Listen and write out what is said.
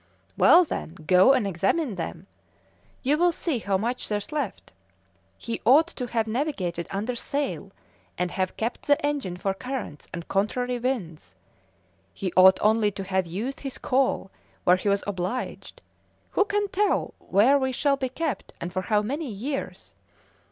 "Well, then, go and examine them: you will see how much there's left. He ought to have navigated under sail, and have kept the engine for currents and contrary winds; he ought only to have used his coal where he was obliged; who can tell where we shall be kept, and for how many years?